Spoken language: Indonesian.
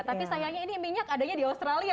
tapi sayangnya ini minyak adanya di australia